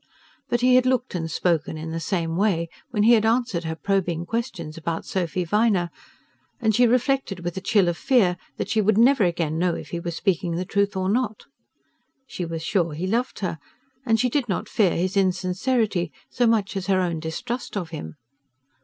But he had looked and spoken in the same way when he had answered her probing questions about Sophy Viner, and she reflected with a chill of fear that she would never again know if he were speaking the truth or not. She was sure he loved her, and she did not fear his insincerity as much as her own distrust of him.